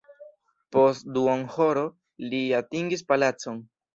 Post duonhoro ili atingis palacon.